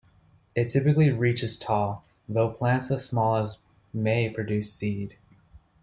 It typically reaches tall, though plants as small as may produce seed.